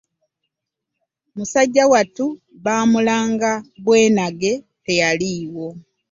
Musajja wattu bamulanga bwenage teyaliiwo.